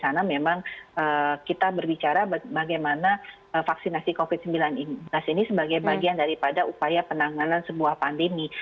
karena memang kita berbicara bagaimana vaksinasi covid sembilan belas ini sebagai bagian daripada upaya penanganan sebuah pandemi